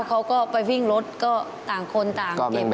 เขาก็ไปวิ่งรถก็ต่างคนต่างเก็บ